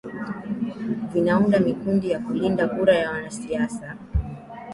vinaunda makundi ya kulinda kura na wanasiasa